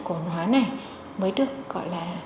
của hòn hóa này mới được gọi là